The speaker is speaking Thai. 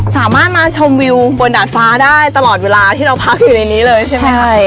สามารถมาชมวิวบนดาดฟ้าได้ตลอดเวลาที่เราพักอยู่ในนี้เลยใช่ไหมคะ